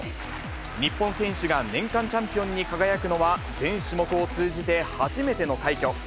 日本選手が年間チャンピオンに輝くのは、全種目を通じて初めての快挙。